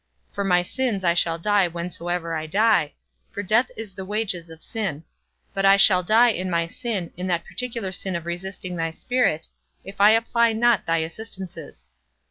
For my sins I shall die whensoever I die, for death is the wages of sin; but I shall die in my sin, in that particular sin of resisting thy Spirit, if I apply not thy assistances.